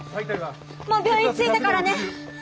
もう病院ついたからね。